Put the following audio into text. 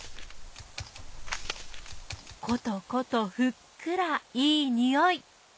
ことことふっくらいいにおい。